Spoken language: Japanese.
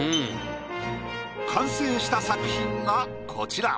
完成した作品がこちら。